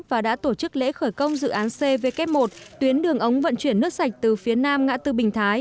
và đã tổ chức lễ khởi công dự án cw một tuyến đường ống vận chuyển nước sạch từ phía nam ngã tư bình thái